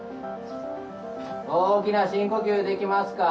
大きな深呼吸できますか？